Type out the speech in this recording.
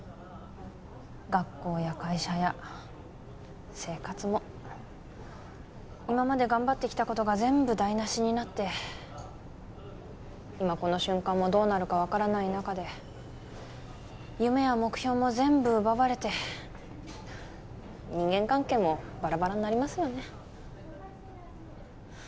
学校や会社や生活も今まで頑張ってきたことが全部台無しになって今この瞬間もどうなるか分からない中で夢や目標も全部奪われて人間関係もバラバラになりますよね